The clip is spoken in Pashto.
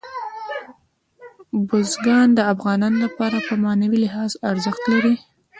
بزګان د افغانانو لپاره په معنوي لحاظ ارزښت لري.